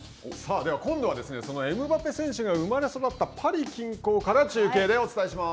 では、今度はそのエムバペ選手が生まれ育ったパリ近郊から中継でお伝えします。